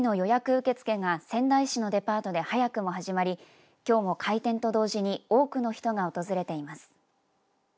受け付けが仙台市のデパートで早くも始まりきょうも開店と同時に多くの人が訪れています。